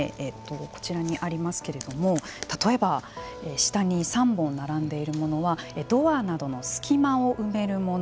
こちらにありますけども例えば下に３本並んでいるものはドアなどの隙間を埋めるもの。